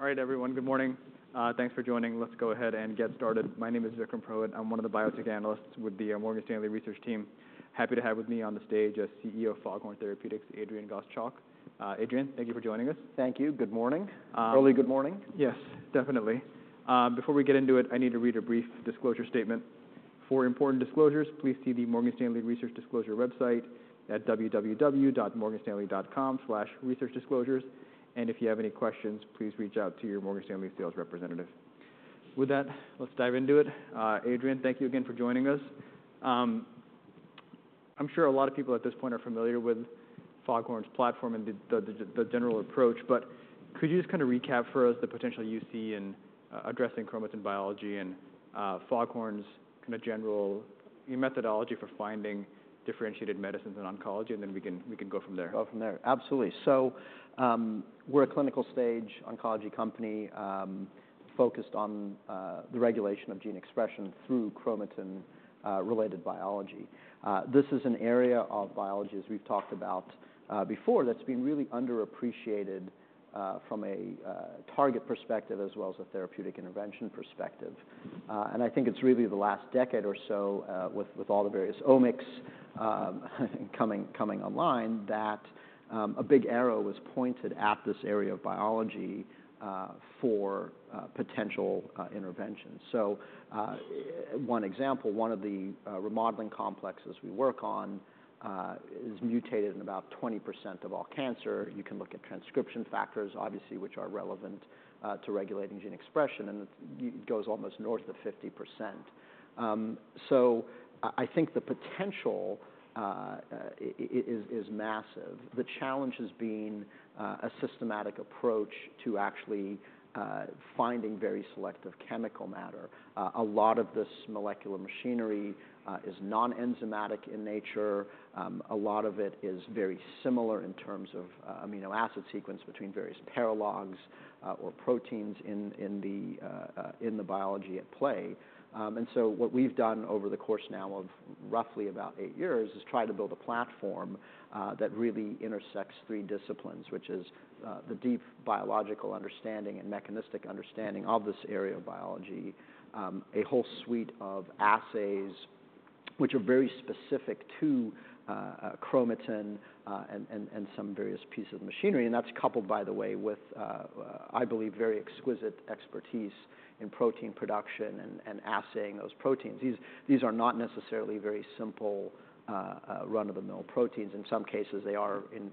All right, everyone, good morning. Thanks for joining. Let's go ahead and get started. My name is Vikram Prahlad. I'm one of the biotech analysts with the Morgan Stanley Research Team. Happy to have with me on the stage, a CEO of Foghorn Therapeutics, Adrian Gottschalk. Adrian, thank you for joining us. Thank you. Good morning. Early good morning. Yes, definitely. Before we get into it, I need to read a brief disclosure statement. For important disclosures, please see the Morgan Stanley Research Disclosure website at www.morganstanley.com/researchdisclosures, and if you have any questions, please reach out to your Morgan Stanley sales representative. With that, let's dive into it. Adrian, thank you again for joining us. I'm sure a lot of people at this point are familiar with Foghorn's platform and the general approach, but could you just kind of recap for us the potential you see in addressing chromatin biology and Foghorn's kind of general your methodology for finding differentiated medicines in oncology, and then we can go from there? Go from there. Absolutely. So, we're a clinical stage oncology company, focused on the regulation of gene expression through chromatin related biology. This is an area of biology, as we've talked about, before, that's been really underappreciated, from a target perspective, as well as a therapeutic intervention perspective. And I think it's really the last decade or so, with all the various omics coming online, that a big arrow was pointed at this area of biology, for potential intervention. So, one example, one of the remodeling complexes we work on is mutated in about 20% of all cancer. You can look at transcription factors, obviously, which are relevant to regulating gene expression, and it goes almost north of 50%. So I think the potential is massive. The challenge has been a systematic approach to actually finding very selective chemical matter. A lot of this molecular machinery is non-enzymatic in nature. A lot of it is very similar in terms of amino acid sequence between various paralogs or proteins in the biology at play. And so what we've done over the course now of roughly about eight years is try to build a platform that really intersects three disciplines, which is the deep biological understanding and mechanistic understanding of this area of biology. A whole suite of assays which are very specific to chromatin and some various pieces of machinery. That's coupled, by the way, with, I believe, very exquisite expertise in protein production and assaying those proteins. These are not necessarily very simple, run-of-the-mill proteins. In some cases, they are in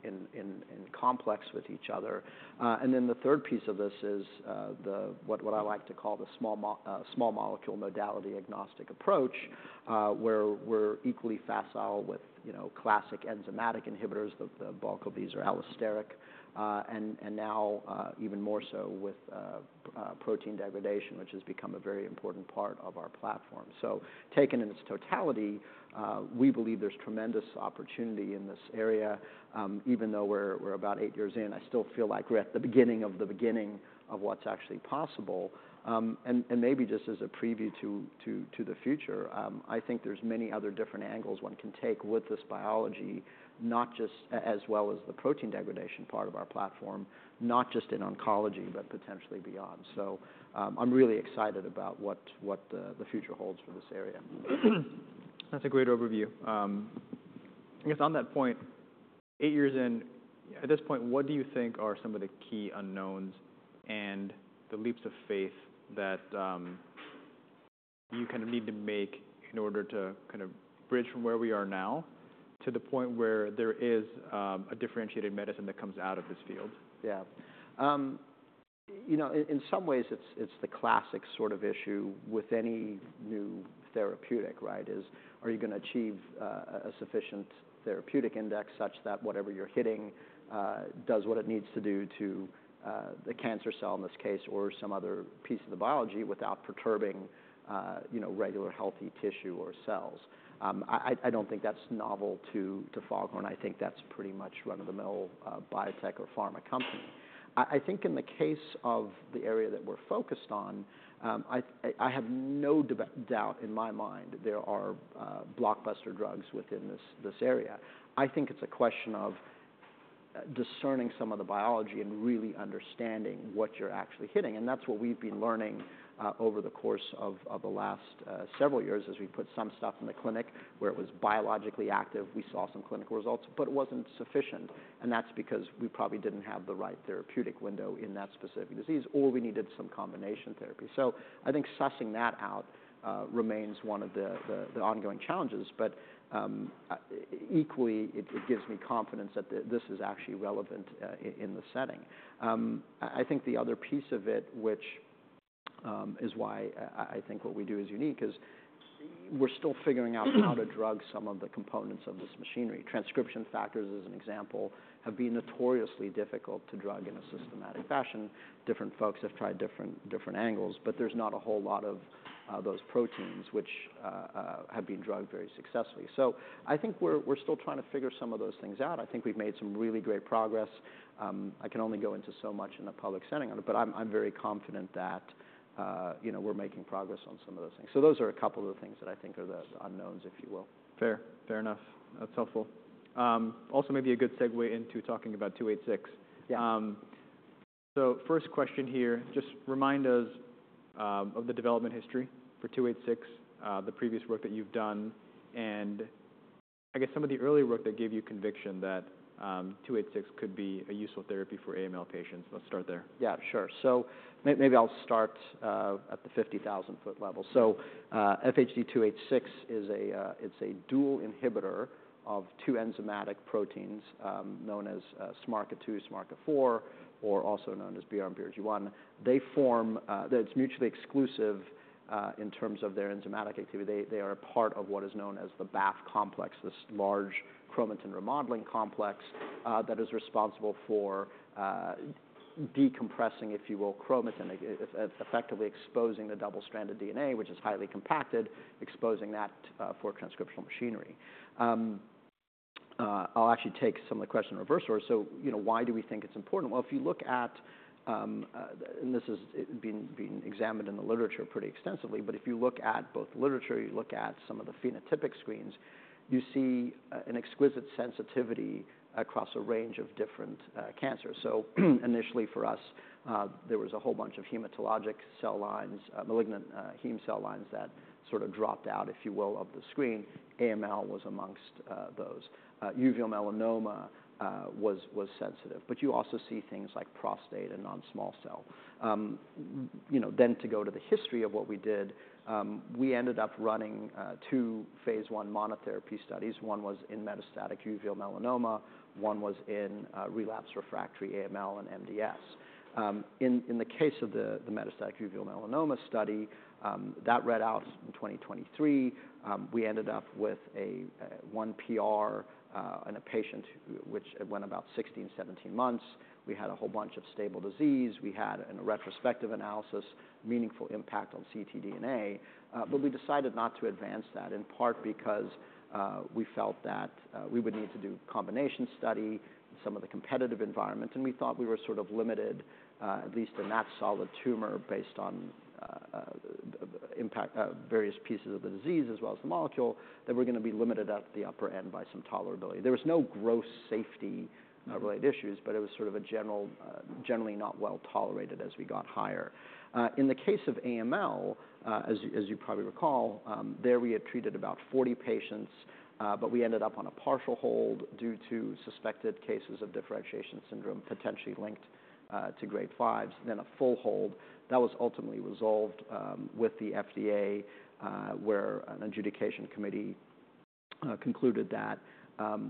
complex with each other. And then the third piece of this is what I like to call the small molecule modality agnostic approach, where we're equally facile with, you know, classic enzymatic inhibitors. The bulk of these are allosteric, and now, even more so with protein degradation, which has become a very important part of our platform. Taken in its totality, we believe there's tremendous opportunity in this area. Even though we're about eight years in, I still feel like we're at the beginning of the beginning of what's actually possible. Maybe just as a preview to the future, I think there's many other different angles one can take with this biology, not just as well as the protein degradation part of our platform, not just in oncology, but potentially beyond. So, I'm really excited about what the future holds for this area. That's a great overview. I guess on that point, eight years in, at this point, what do you think are some of the key unknowns and the leaps of faith that, you kind of need to make in order to kind of bridge from where we are now to the point where there is, a differentiated medicine that comes out of this field? Yeah. You know, in some ways, it's the classic sort of issue with any new therapeutic, right? Are you gonna achieve a sufficient therapeutic index such that whatever you're hitting does what it needs to do to the cancer cell in this case, or some other piece of the biology, without perturbing you know, regular healthy tissue or cells? I don't think that's novel to Foghorn. I think that's pretty much run-of-the-mill biotech or pharma company. I think in the case of the area that we're focused on, I have no doubt in my mind there are blockbuster drugs within this area. I think it's a question of discerning some of the biology and really understanding what you're actually hitting, and that's what we've been learning over the course of the last several years as we put some stuff in the clinic. Where it was biologically active, we saw some clinical results, but it wasn't sufficient, and that's because we probably didn't have the right therapeutic window in that specific disease, or we needed some combination therapy. So I think sussing that out remains one of the ongoing challenges, but equally, it gives me confidence that this is actually relevant in the setting. I think the other piece of it, which is why I think what we do is unique, is we're still figuring out how to drug some of the components of this machinery. Transcription factors, as an example, have been notoriously difficult to drug in a systematic fashion. Different folks have tried different angles, but there's not a whole lot of those proteins which have been drugged very successfully. So I think we're still trying to figure some of those things out. I think we've made some really great progress. I can only go into so much in a public setting, but I'm very confident that, you know, we're making progress on some of those things. So those are a couple of the things that I think are the unknowns, if you will. Fair. Fair enough. That's helpful. Also, maybe a good segue into talking about FHD-286. Yeah. So first question here, just remind us of the development history for FHD-286, the previous work that you've done, and I guess some of the early work that gave you conviction that FHD-286 could be a useful therapy for AML patients. Let's start there. Yeah, sure. So maybe I'll start at the 50,000 foot level. So FHD-286 is a dual inhibitor of two enzymatic proteins known as SMARCA2, SMARCA4, or also known as BRM/BRG1. They form, that's mutually exclusive in terms of their enzymatic activity. They are a part of what is known as the BAF complex, this large chromatin remodeling complex that is responsible for decompressing, if you will, chromatin. It effectively exposing the double-stranded DNA, which is highly compacted, exposing that for transcriptional machinery. I'll actually take some of the question in reverse order. So you know, why do we think it's important? Well, if you look at... and this is it being examined in the literature pretty extensively, but if you look at both the literature, you look at some of the phenotypic screens, you see an exquisite sensitivity across a range of different cancers. So initially for us, there was a whole bunch of hematologic cell lines, malignant heme cell lines, that sort of dropped out, if you will, of the screen. AML was among those. Uveal melanoma was sensitive, but you also see things like prostate and non-small cell. You know, then to go to the history of what we did, we ended up running two phase I monotherapy studies. One was in metastatic uveal melanoma, one was in relapsed/refractory AML and MDS. In the case of the metastatic uveal melanoma study, that read out in 2023. We ended up with one PR in a patient, which went about 16-17 months. We had a whole bunch of stable disease. We had, in a retrospective analysis, meaningful impact on ctDNA. But we decided not to advance that, in part because we felt that we would need to do combination study in some of the competitive environment, and we thought we were sort of limited, at least in that solid tumor, based on the impact various pieces of the disease, as well as the molecule, that we're gonna be limited at the upper end by some tolerability. There was no gross safety-related issues, but it was sort of a general, generally not well tolerated as we got higher. In the case of AML, as you probably recall, there we had treated about 40 patients, but we ended up on a partial hold due to suspected cases of differentiation syndrome, potentially linked to Grade 5s, and then a full hold. That was ultimately resolved with the FDA, where an adjudication committee concluded that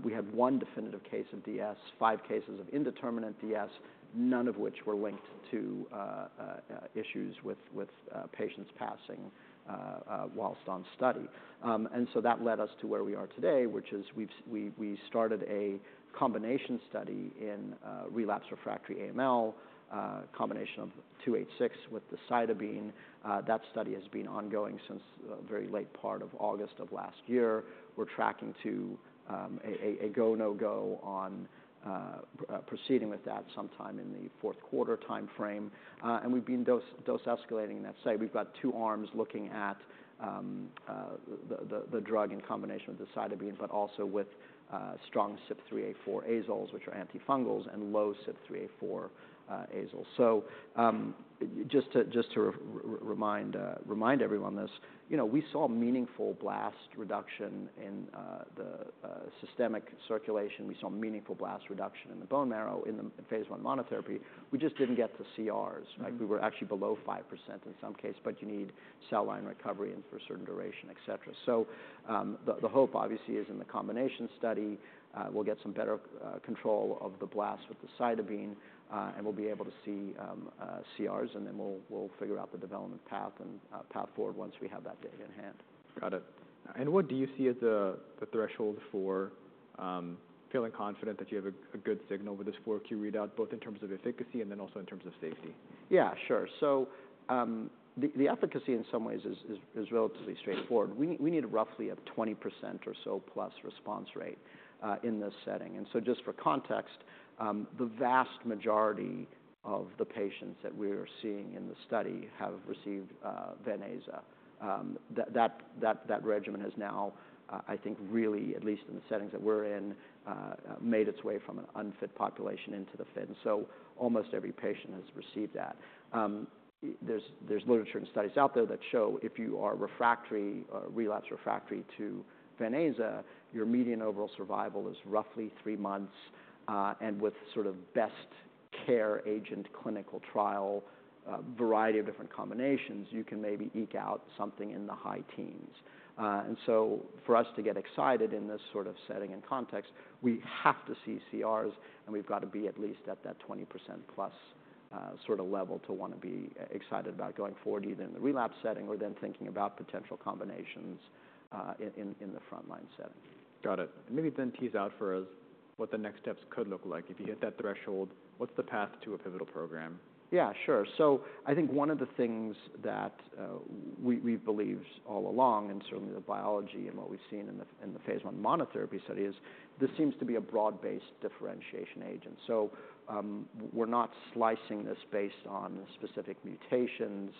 we had one definitive case of DS, five cases of indeterminate DS, none of which were linked to issues with patients passing while on study. And so that led us to where we are today, which is we've started a combination study in relapsed/refractory AML, combination of 286 with the cytarabine. That study has been ongoing since very late part of August of last year. We're tracking to a go/no go on proceeding with that sometime in the fourth quarter timeframe. And we've been dose escalating in that study. We've got two arms looking at the drug in combination with the cytarabine, but also with strong CYP3A4 azoles, which are antifungals, and low CYP3A4 azoles. So just to remind everyone this, you know, we saw meaningful blast reduction in the systemic circulation. We saw meaningful blast reduction in the bone marrow in the phase I monotherapy. We just didn't get the CRs. Like, we were actually below 5% in some case, but you need cell line recovery and for a certain duration, et cetera. So, the hope obviously is in the combination study, we'll get some better control of the blast with the cytarabine, and we'll be able to see CRs, and then we'll figure out the development path and path forward once we have that data in hand. Got it. And what do you see as the threshold for feeling confident that you have a good signal with this 4Q readout, both in terms of efficacy and then also in terms of safety? Yeah, sure. So, the efficacy in some ways is relatively straightforward. We need roughly 20% or so plus response rate in this setting. And so just for context, the vast majority of the patients that we are seeing in the study have received Ven/Aza. That regimen has now, I think really, at least in the settings that we're in, made its way from an unfit population into the fit, and so almost every patient has received that. There's literature and studies out there that show if you are refractory or relapse refractory to Ven/Aza, your median overall survival is roughly three months, and with sort of best care agent clinical trial variety of different combinations, you can maybe eke out something in the high teens. And so for us to get excited in this sort of setting and context, we have to see CRs, and we've got to be at least at that 20% plus, sort of level to wanna be excited about going forward, either in the relapse setting or then thinking about potential combinations, in the front line setting. Got it. Maybe then tease out for us what the next steps could look like. If you hit that threshold, what's the path to a pivotal program? Yeah, sure. So I think one of the things that we believed all along, and certainly the biology and what we've seen in the phase I monotherapy study, is this seems to be a broad-based differentiation agent. So, we're not slicing this based on specific mutations,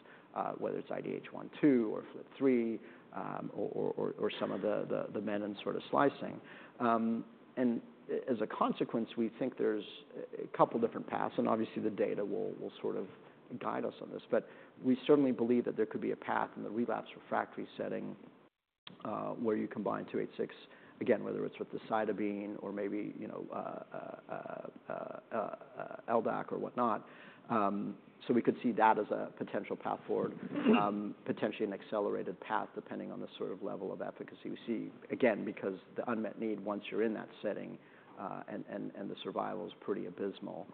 whether it's IDH1/2, or FLT3, or some of the menin sort of slicing. And as a consequence, we think there's a couple different paths, and obviously, the data will sort of guide us on this. But we certainly believe that there could be a path in the relapse refractory setting, where you combine 286, again, whether it's with the cytarabine or maybe, you know, LDAC or whatnot. So we could see that as a potential path forward, potentially an accelerated path, depending on the sort of level of efficacy we see. Again, because the unmet need, once you're in that setting, and the survival is pretty abysmal.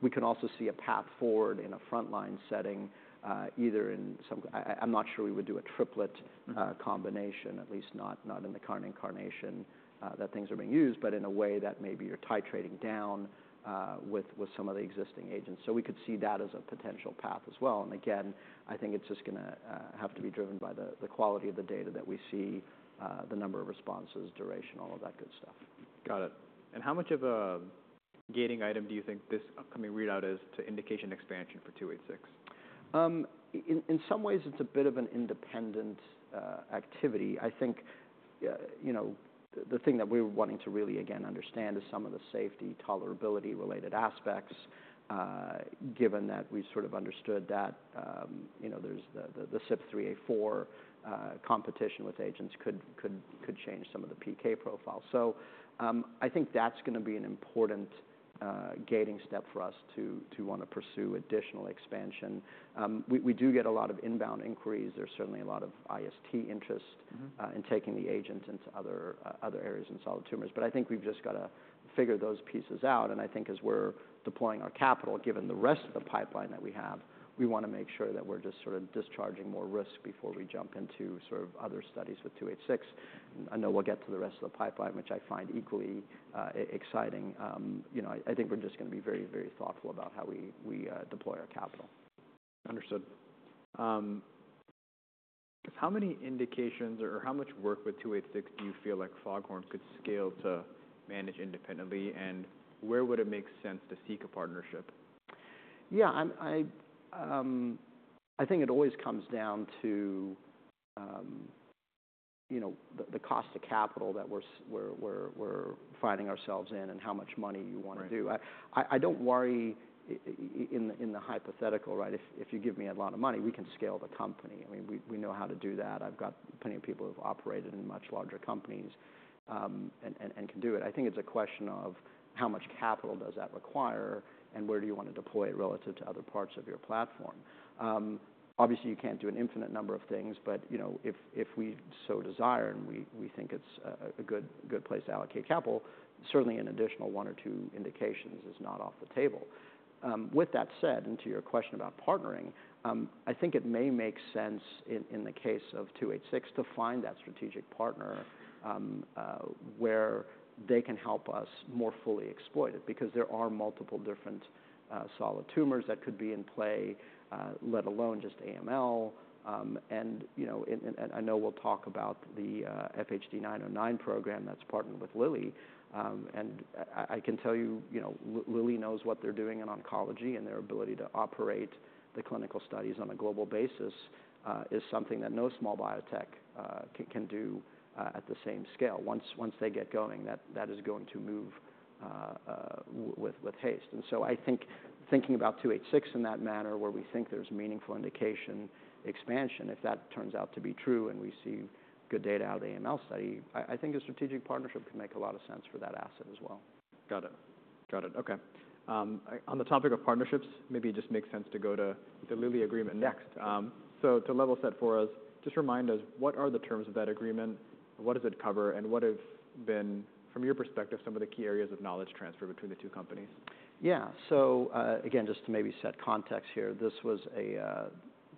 We can also see a path forward in a frontline setting, either, I, I'm not sure we would do a triplet combination, at least not in the current incarnation that things are being used, but in a way that maybe you're titrating down with some of the existing agents. So we could see that as a potential path as well. And again, I think it's just gonna have to be driven by the quality of the data that we see, the number of responses, duration, all of that good stuff. Got it. And how much of a gating item do you think this upcoming readout is to indication expansion for 286? In some ways, it's a bit of an independent activity. I think, you know, the thing that we were wanting to really, again, understand is some of the safety, tolerability-related aspects, given that we've sort of understood that, you know, there's the CYP3A4 competition with agents could change some of the PK profile. So, I think that's gonna be an important gating step for us to wanna pursue additional expansion. We do get a lot of inbound inquiries. There's certainly a lot of IST interest- Mm-hmm. In taking the agent into other areas in solid tumors. But I think we've just got to figure those pieces out, and I think as we're deploying our capital, given the rest of the pipeline that we have, we wanna make sure that we're just sort of discharging more risk before we jump into sort of other studies with 286. I know we'll get to the rest of the pipeline, which I find equally exciting. You know, I think we're just gonna be very, very thoughtful about how we deploy our capital. Understood. How many indications or how much work with 286 do you feel like Foghorn could scale to manage independently? And where would it make sense to seek a partnership? Yeah, I think it always comes down to, you know, the cost of capital that we're finding ourselves in and how much money you wanna do. Right. I don't worry in the hypothetical, right? If you give me a lot of money, we can scale the company. I mean, we know how to do that. I've got plenty of people who've operated in much larger companies and can do it. I think it's a question of how much capital does that require, and where do you want to deploy it relative to other parts of your platform? Obviously, you can't do an infinite number of things, but you know, if we so desire and we think it's a good place to allocate capital, certainly an additional one or two indications is not off the table. With that said, and to your question about partnering, I think it may make sense in the case of FHD-286 to find that strategic partner where they can help us more fully exploit it, because there are multiple different solid tumors that could be in play, let alone just AML. You know, and I know we'll talk about the FHD-909 program that's partnered with Lilly. And I can tell you, you know, Lilly knows what they're doing in oncology, and their ability to operate the clinical studies on a global basis is something that no small biotech can do at the same scale. Once they get going, that is going to move with haste. And so I think thinking about FHD-286 in that manner, where we think there's meaningful indication expansion, if that turns out to be true and we see good data out of the AML study, I think a strategic partnership can make a lot of sense for that asset as well. Got it. Got it. Okay. On the topic of partnerships, maybe it just makes sense to go to the Lilly agreement next. Yeah. So to level set for us, just remind us, what are the terms of that agreement? What does it cover, and what have been, from your perspective, some of the key areas of knowledge transfer between the two companies? Yeah. So, again, just to maybe set context here, this was a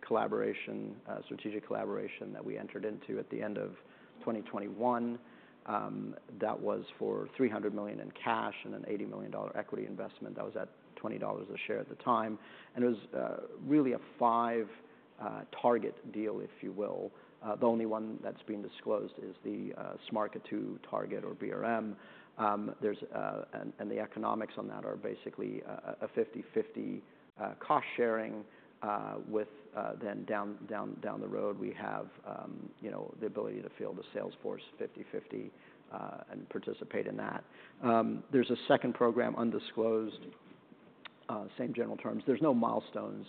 collaboration, a strategic collaboration that we entered into at the end of 2021. That was for $300 million in cash and an $80 million equity investment. That was at $20 a share at the time, and it was really a five-target deal, if you will. The only one that's been disclosed is the SMARCA2 target or BRM. There's... and the economics on that are basically a 50/50 cost sharing with then down the road, we have you know the ability to field a sales force 50/50 and participate in that. There's a second program, undisclosed, same general terms. There's no milestones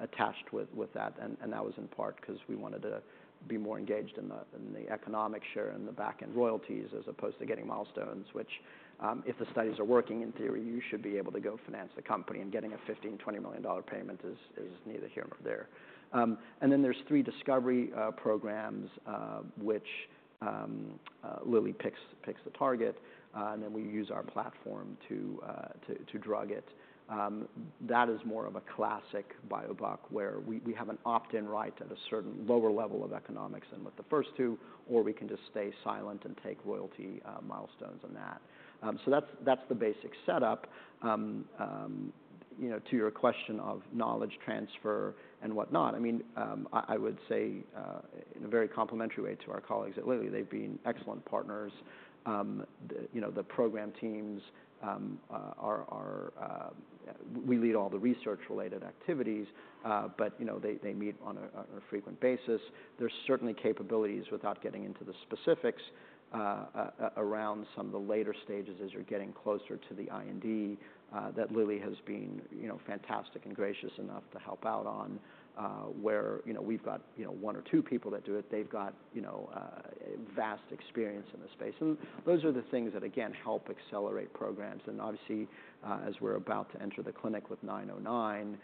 attached with that, and that was in part 'cause we wanted to be more engaged in the economic share and the back-end royalties, as opposed to getting milestones, which if the studies are working, in theory, you should be able to go finance the company, and getting a $15 million-$20 million payment is neither here nor there. And then there's three discovery programs, which Lilly picks the target, and then we use our platform to drug it. That is more of a classic biobuck, where we have an opt-in right at a certain lower level of economics than with the first two, or we can just stay silent and take royalty milestones on that. So that's the basic setup. You know, to your question of knowledge transfer and whatnot, I mean, I would say, in a very complimentary way to our colleagues at Lilly, they've been excellent partners. You know, the program teams we lead all the research-related activities, but, you know, they meet on a frequent basis. There's certainly capabilities, without getting into the specifics, around some of the later stages as you're getting closer to the IND, that Lilly has been, you know, fantastic and gracious enough to help out on, where, you know, we've got, you know, one or two people that do it. They've got, you know, vast experience in this space, and those are the things that, again, help accelerate programs. Obviously, as we're about to enter the clinic with 909,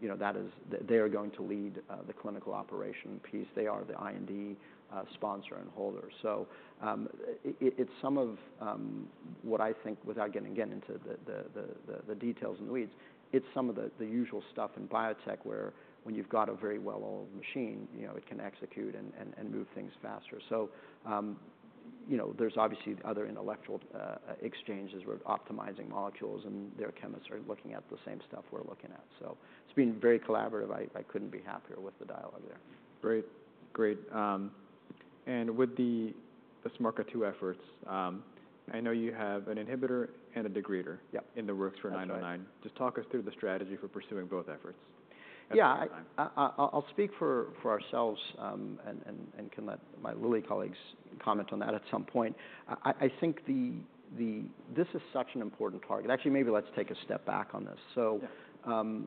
you know, that is, they are going to lead the clinical operation piece. They are the IND sponsor and holder. It is some of what I think, without getting again into the details and the weeds, it's some of the usual stuff in biotech, where when you've got a very well-oiled machine, you know, it can execute and move things faster. You know, there's obviously other intellectual exchanges. We're optimizing molecules, and their chemists are looking at the same stuff we're looking at, so it's been very collaborative. I couldn't be happier with the dialogue there. Great. Great, and with the SMARCA2 efforts, I know you have an inhibitor and a degrader- Yeah in the works for 909. That's right. Just talk us through the strategy for pursuing both efforts at the same time. Yeah, I'll speak for ourselves and can let my Lilly colleagues comment on that at some point. I think this is such an important target. Actually, maybe let's take a step back on this. Yeah. So,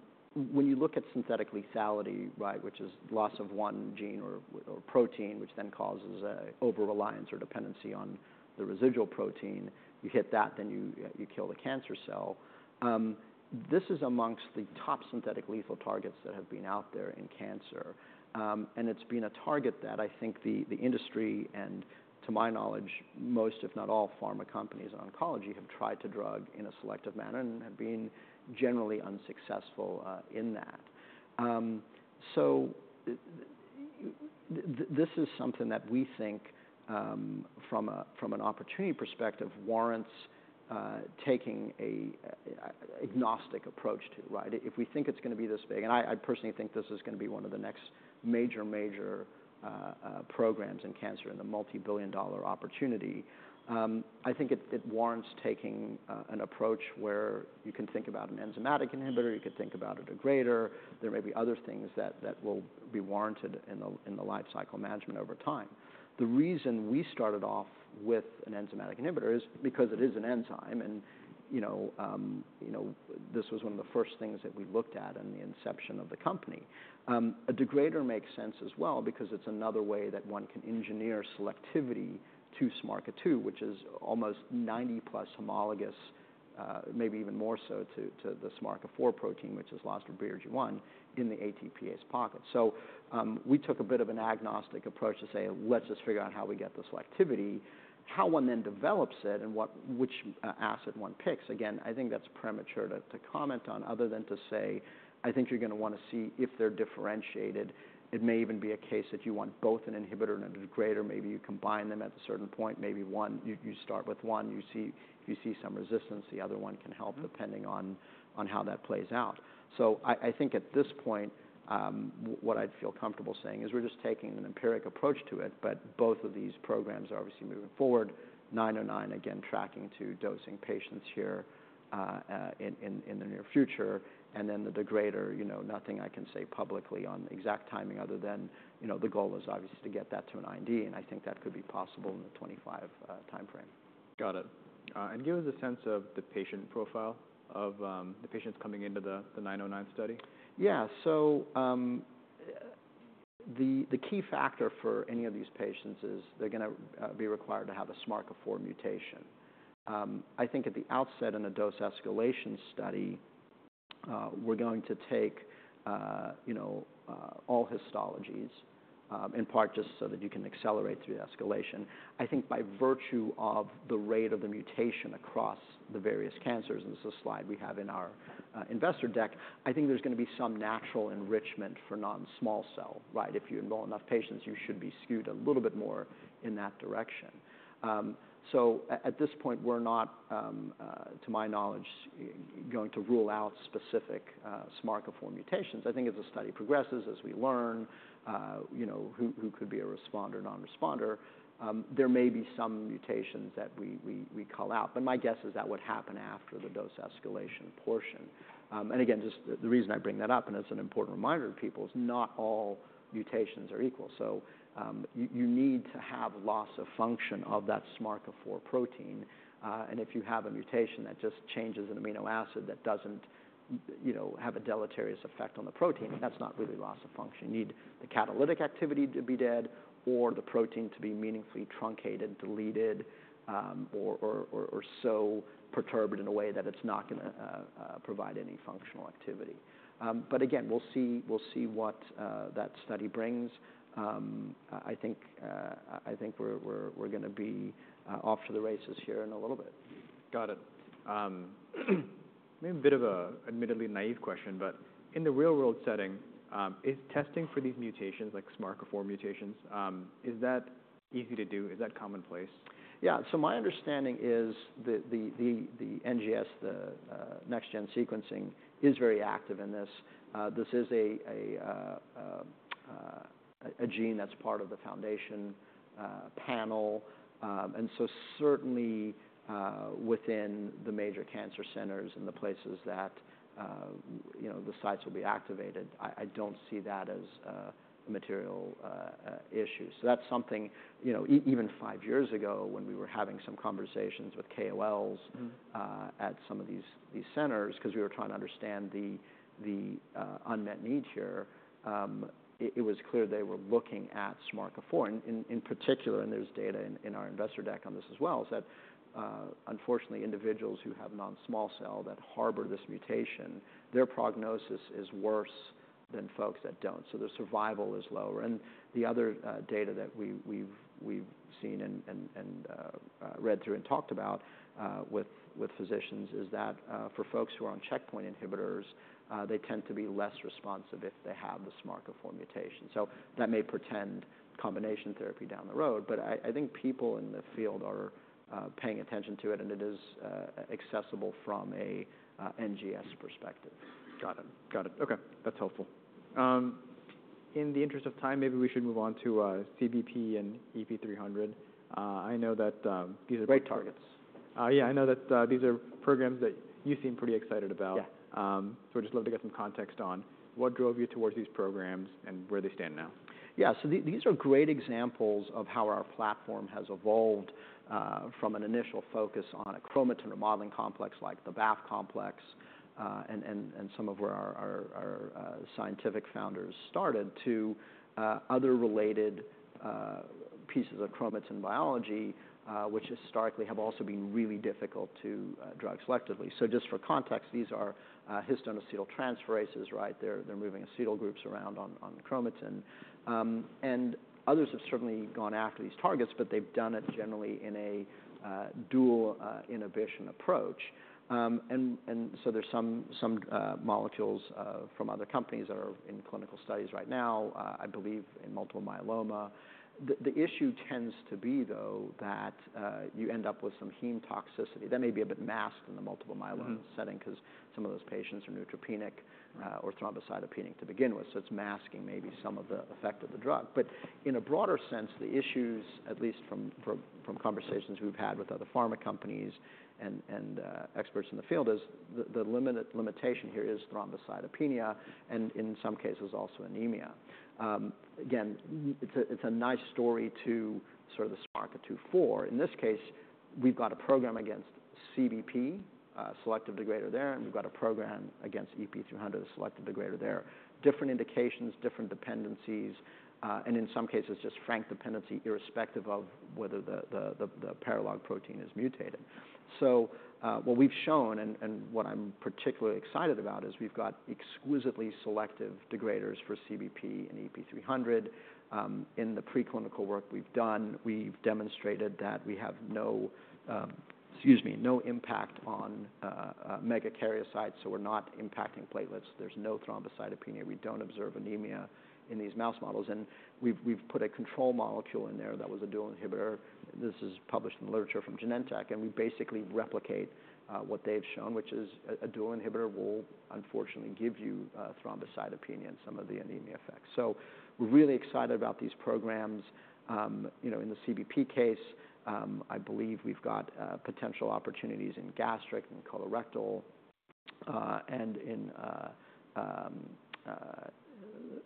when you look at synthetic lethality, right, which is loss of one gene or protein, which then causes a over reliance or dependency on the residual protein, you hit that, then you kill the cancer cell. This is among the top synthetic lethal targets that have been out there in cancer. And it's been a target that I think the industry, and to my knowledge, most, if not all, pharma companies in oncology have tried to drug in a selective manner and have been generally unsuccessful in that. So this is something that we think, from a, from an opportunity perspective, warrants taking a agnostic approach to, right? If we think it's gonna be this big... I personally think this is gonna be one of the next major programs in cancer, and a multi-billion-dollar opportunity. I think it warrants taking an approach where you can think about an enzymatic inhibitor, you can think about a degrader. There may be other things that will be warranted in the life cycle management over time. The reason we started off with an enzymatic inhibitor is because it is an enzyme and, you know, this was one of the first things that we looked at in the inception of the company. A degrader makes sense as well, because it's another way that one can engineer selectivity to SMARCA2, which is almost 90+ homologous, maybe even more so to the SMARCA4 protein, which is lost in BRG1 in the ATPase pocket. So, we took a bit of an agnostic approach to say, "Let's just figure out how we get the selectivity." How one then develops it and which asset one picks, again, I think that's premature to comment on, other than to say, I think you're gonna wanna see if they're differentiated. It may even be a case that you want both an inhibitor and a degrader. Maybe you combine them at a certain point, maybe you start with one, you see, if you see some resistance, the other one can help, depending on how that plays out. So I think at this point, what I'd feel comfortable saying is we're just taking an empiric approach to it, but both of these programs are obviously moving forward. FHD-909, again, tracking to dosing patients here in the near future. And then the degrader, you know, nothing I can say publicly on exact timing, other than, you know, the goal is obviously to get that to an IND, and I think that could be possible in the 2025 timeframe. Got it, and give us a sense of the patient profile of the patients coming into the 909 study. Yeah. So, the key factor for any of these patients is they're gonna be required to have a SMARCA4 mutation. I think at the outset, in a dose escalation study, we're going to take, you know, all histologies, in part just so that you can accelerate through the escalation. I think by virtue of the rate of the mutation across the various cancers, and this is a slide we have in our investor deck, I think there's gonna be some natural enrichment for non-small cell, right? If you enroll enough patients, you should be skewed a little bit more in that direction. So at this point, we're not, to my knowledge, going to rule out specific SMARCA4 mutations. I think as the study progresses, as we learn, you know, who could be a responder, non-responder, there may be some mutations that we call out, but my guess is that would happen after the dose escalation portion, and again, just the reason I bring that up, and as an important reminder to people, is not all mutations are equal, so you need to have loss of function of that SMARCA4 protein, and if you have a mutation that just changes an amino acid that doesn't, you know, have a deleterious effect on the protein, that's not really loss of function. You need the catalytic activity to be dead or the protein to be meaningfully truncated, deleted, or so perturbed in a way that it's not gonna provide any functional activity. But again, we'll see what that study brings. I think we're gonna be off to the races here in a little bit. Got it. Maybe a bit of an admittedly naive question, but in the real-world setting, is testing for these mutations, like SMARCA4 mutations, is that easy to do? Is that commonplace? Yeah. So my understanding is that the NGS, the next-gen sequencing, is very active in this. This is a gene that's part of the Foundation panel. And so certainly, within the major cancer centers and the places that you know, the sites will be activated, I don't see that as a material issue. So that's something, you know, even five years ago, when we were having some conversations with KOLs- At some of these centers, 'cause we were trying to understand the unmet need here. It was clear they were looking at SMARCA4 in particular, and there's data in our investor deck on this as well, is that, unfortunately, individuals who have non-small cell that harbor this mutation, their prognosis is worse than folks that don't, so their survival is lower. And the other data that we've seen and read through and talked about with physicians is that, for folks who are on checkpoint inhibitors, they tend to be less responsive if they have the SMARCA4 mutation. So that may portend combination therapy down the road, but I think people in the field are paying attention to it, and it is accessible from a NGS perspective. Got it. Got it. Okay, that's helpful. In the interest of time, maybe we should move on to CBP and EP300. I know that these are- Great targets. Yeah, I know that these are programs that you seem pretty excited about. Yeah. I'd just love to get some context on what drove you towards these programs and where they stand now? Yeah. So these are great examples of how our platform has evolved from an initial focus on a chromatin remodeling complex, like the BAF complex, and some of where our scientific founders started to other related pieces of chromatin biology, which historically have also been really difficult to drug selectively. So just for context, these are histone acetyltransferases, right? They're moving acetyl groups around on chromatin. And others have certainly gone after these targets, but they've done it generally in a dual inhibition approach. And so there's some molecules from other companies that are in clinical studies right now, I believe in multiple myeloma. The issue tends to be, though, that you end up with some heme toxicity that may be a bit masked in the multiple myeloma- setting 'cause some of those patients are neutropenic or thrombocytopenic to begin with, so it's masking maybe some of the effect of the drug. But in a broader sense, the issues, at least from conversations we've had with other pharma companies and experts in the field, is the limitation here is thrombocytopenia, and in some cases, also anemia. Again, it's a nice story to sort of the SMARCA2/4. In this case, we've got a program against CBP, selective degrader there, and we've got a program against EP300, a selective degrader there. Different indications, different dependencies, and in some cases, just frank dependency, irrespective of whether the paralog protein is mutated. What we've shown, and what I'm particularly excited about, is we've got exclusively selective degraders for CBP and EP300. In the preclinical work we've done, we've demonstrated that we have no impact on megakaryocytes, so we're not impacting platelets. There's no thrombocytopenia. We don't observe anemia in these mouse models, and we've put a control molecule in there that was a dual inhibitor. This is published in the literature from Genentech, and we basically replicate what they've shown, which is a dual inhibitor will unfortunately give you thrombocytopenia and some of the anemia effects. So we're really excited about these programs. You know, in the CBP case, I believe we've got potential opportunities in gastric and colorectal, and in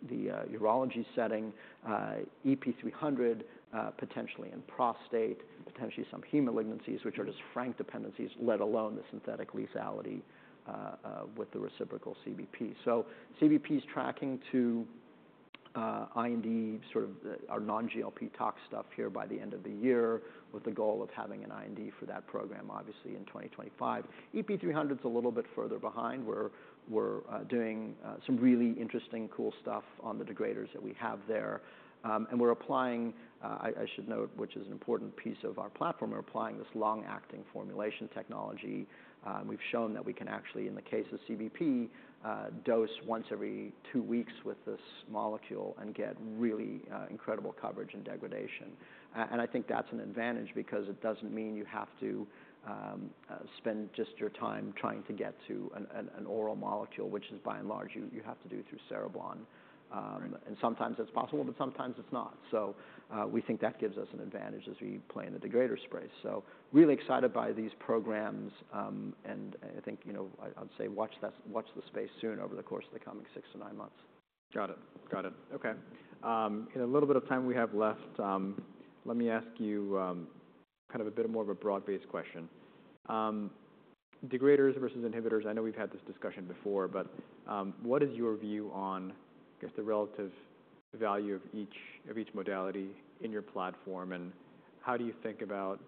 the urology setting. EP300 potentially in prostate, potentially some heme malignancies, which are just frank dependencies, let alone the synthetic lethality with the reciprocal CBP. So CBP's tracking to IND, sort of our non-GLP tox stuff here by the end of the year, with the goal of having an IND for that program, obviously in 2025. EP300's a little bit further behind. We're doing some really interesting, cool stuff on the degraders that we have there. And we're applying. I should note, which is an important piece of our platform, we're applying this long-acting formulation technology. We've shown that we can actually, in the case of CBP, dose once every two weeks with this molecule and get really incredible coverage and degradation. And I think that's an advantage because it doesn't mean you have to spend just your time trying to get to an oral molecule, which is, by and large, you have to do through cereblon. Um Right. And sometimes it's possible, but sometimes it's not. So, we think that gives us an advantage as we play in the degrader space. So really excited by these programs. And I think, you know, I'd say watch that, watch this space soon over the course of the coming six to nine months. Got it. Got it. Okay. In the little bit of time we have left, let me ask you, kind of a bit more of a broad-based question. Degraders versus inhibitors, I know we've had this discussion before, but, what is your view on, I guess, the relative value of each, of each modality in your platform, and how do you think about,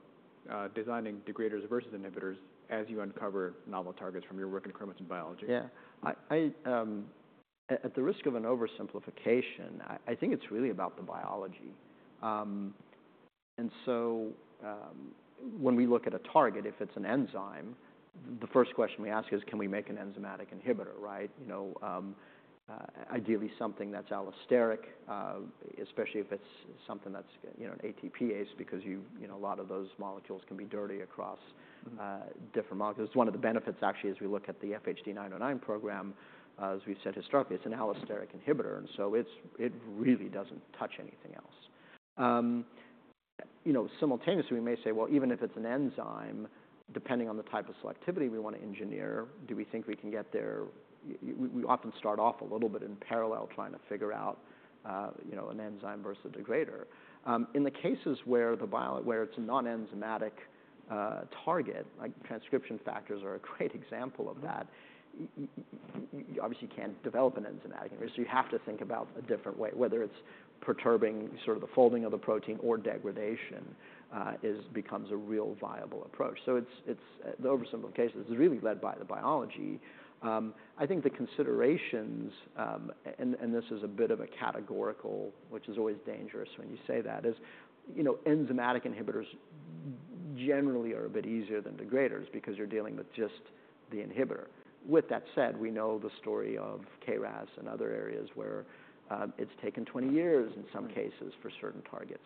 designing degraders versus inhibitors as you uncover novel targets from your work in chromatin biology? Yeah. At the risk of an oversimplification, I think it's really about the biology. And so, when we look at a target, if it's an enzyme, the first question we ask is: Can we make an enzymatic inhibitor, right? You know, ideally something that's allosteric, especially if it's something that's, you know, an ATPase, because you know, a lot of those molecules can be dirty across different molecules. One of the benefits actually, as we look at the FHD-909 program, as we've said historically, it's an allosteric inhibitor, and so it really doesn't touch anything else. You know, simultaneously, we may say, well, even if it's an enzyme, depending on the type of selectivity we want to engineer, do we think we can get there? We often start off a little bit in parallel, trying to figure out, you know, an enzyme versus a degrader. In the cases where it's a non-enzymatic target, like transcription factors are a great example of that, you obviously can't develop an enzymatic. So you have to think about a different way, whether it's perturbing sort of the folding of the protein or degradation, it becomes a real viable approach. So it's the oversimplification. It's really led by the biology. I think the considerations and this is a bit of a categorical, which is always dangerous when you say that, you know, enzymatic inhibitors generally are a bit easier than degraders because you're dealing with just the inhibitor. With that said, we know the story of KRAS and other areas where it's taken twenty years in some cases for certain targets,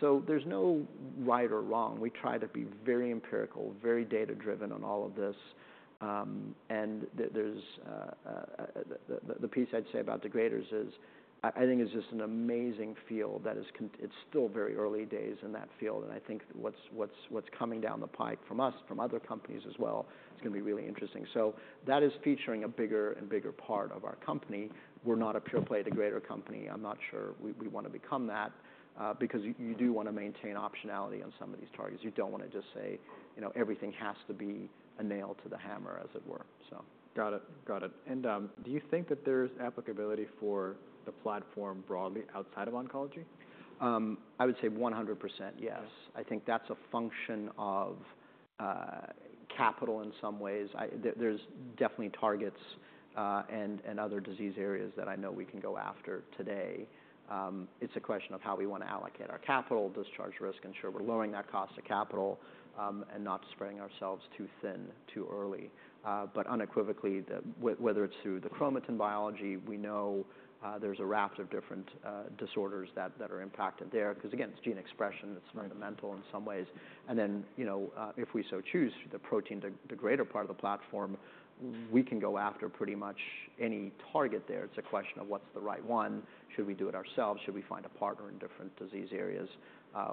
so there's no right or wrong. We try to be very empirical, very data-driven on all of this, and there's... The piece I'd say about degraders is, I think it's just an amazing field. It's still very early days in that field, and I think what's coming down the pipe from us, from other companies as well, it's going to be really interesting. So that is featuring a bigger and bigger part of our company. We're not a pure play degrader company. I'm not sure we want to become that, because you do want to maintain optionality on some of these targets. You don't want to just say, you know, everything has to be a nail to the hammer, as it were, so. Got it. Got it. And, do you think that there's applicability for the platform broadly outside of oncology? I would say 100%, yes. Okay. I think that's a function of capital in some ways. There's definitely targets and other disease areas that I know we can go after today. It's a question of how we want to allocate our capital, discharge risk, ensure we're lowering that cost to capital, and not spreading ourselves too thin too early. But unequivocally, whether it's through the chromatin biology, we know there's a raft of different disorders that are impacted there. Because, again, it's gene expression, it's Right fundamental in some ways. And then, you know, if we so choose, the protein, the greater part of the platform, we can go after pretty much any target there. It's a question of what's the right one? Should we do it ourselves? Should we find a partner in different disease areas,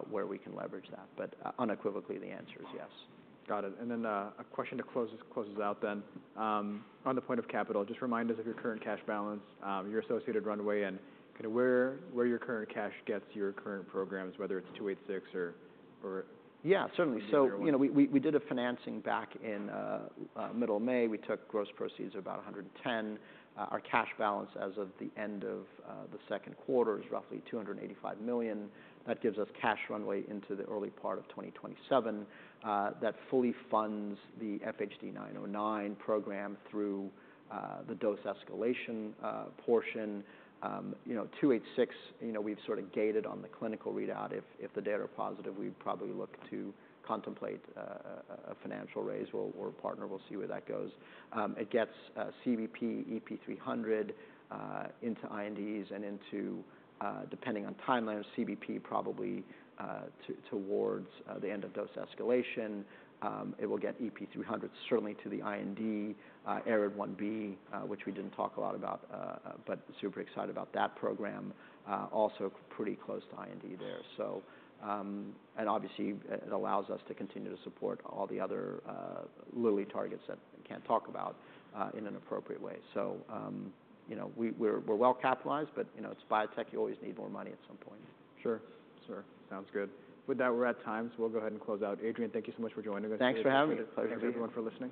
where we can leverage that? But unequivocally, the answer is yes. Got it, and then a question to close this out, then. On the point of capital, just remind us of your current cash balance, your associated runway, and kind of where your current cash gets your current programs, whether it's FHD-286 or Yeah, certainly. Any other one. So, you know, we did a financing back in middle of May. We took gross proceeds of about $110 million. Our cash balance as of the end of the second quarter is roughly $285 million. That gives us cash runway into the early part of 2027. That fully funds the FHD-909 program through the dose escalation portion. You know, FHD-286, you know, we've sort of gated on the clinical readout. If the data are positive, we'd probably look to contemplate a financial raise or partner. We'll see where that goes. It gets CBP, EP300 into INDs and into, depending on timelines, CBP probably towards the end of dose escalation. It will get EP300 certainly to the IND, ARID1B, which we didn't talk a lot about, but super excited about that program. Also pretty close to IND there, and obviously it allows us to continue to support all the other Lilly targets that I can't talk about in an appropriate way. You know, we're well capitalized, but you know, it's biotech. You always need more money at some point. Sure. Sure. Sounds good. With that, we're at time, so we'll go ahead and close out. Adrian, thank you so much for joining us. Thanks for having me. It's a pleasure, everyone, for listening.